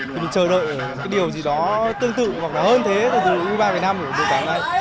mình chờ đợi cái điều gì đó tương tự hoặc là hơn thế từ u hai mươi ba việt nam của đội tuyển việt nam